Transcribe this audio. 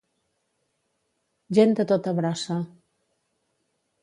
Gent de tota brossa.